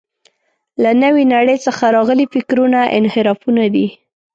له نوې نړۍ څخه راغلي فکرونه انحرافونه دي.